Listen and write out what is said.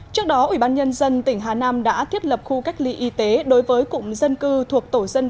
trước đó ủy ban nhân dân tỉnh hà nam đã thiết lập khu cách ly y tế đối với cụm dân cư thuộc tổ dân